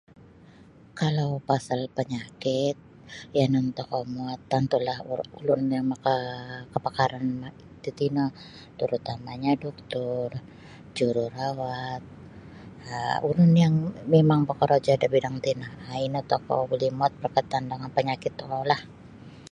Kalau pasal panyakit yanan tokou muwot tantulah ulun yang maka kapakaran tatino tarutamanyo doktor jururawat um ulun yang mimang bokorojo da bidang tino um ino tokou buli muwot berkaitan dengan panyakit tokoulah.